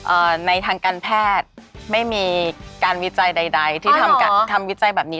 เอิ่มในทางการแพทย์ไม่มีการวิจัยใดทำวิจัยแบบนี้